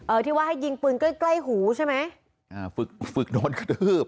ที่ว่าให้ยิงปืนใกล้ใกล้หูใช่ไหมอ่าฝึกฝึกโดนกระทืบ